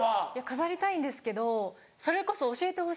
飾りたいんですけどそれこそ教えてほしいです。